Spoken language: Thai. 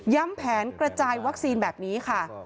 แผนกระจายวัคซีนแบบนี้ค่ะ